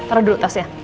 taruh dulu tasnya